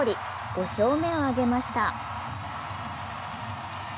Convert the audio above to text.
５勝目を挙げました。